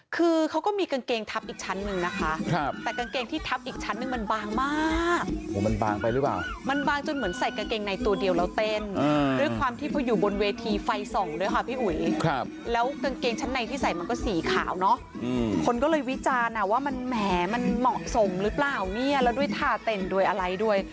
คือเขาก็มีกางเกงทับอีกชั้นหนึ่งนะคะแต่กางเกงที่ทับอีกชั้นหนึ่งมันบางมากโอ้โหมันบางไปหรือเปล่ามันบางจนเหมือนใส่กางเกงในตัวเดียวแล้วเต้นด้วยความที่พออยู่บนเวทีไฟส่องด้วยค่ะพี่อุ๋ยแล้วกางเกงชั้นในที่ใส่มันก็สีขาวเนอะคนก็เลยวิจารณ์อ่ะว่ามันแหมมันเหมาะสมหรือเปล่าเนี่ยแล้วด้วยท่าเต้นด้วยอะไรด้วย